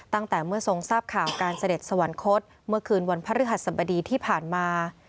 ตั้งแต่เมื่อทรงทราบข่าวการเสด็จสวรรคตเมื่อคืนวันพระฤหัสสบดีที่ผ่านมา